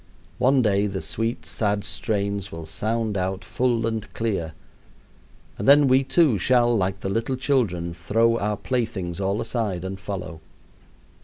One day the sweet, sad strains will sound out full and clear, and then we too shall, like the little children, throw our playthings all aside and follow.